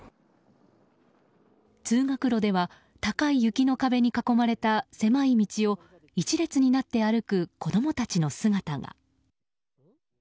通学路では高い雪の壁に囲まれた狭い道を１列になって歩く子供たちの姿が。